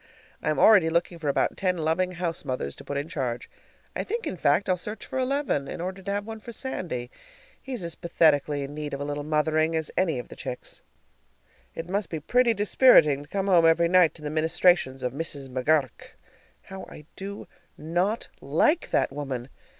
I am already looking about for ten loving house mothers to put in charge. I think, in fact, I'll search for eleven, in order to have one for Sandy. He's as pathetically in need of a little mothering as any of the chicks. It must be pretty dispiriting to come home every night to the ministrations of Mrs. McGur rk. How I do not like that woman!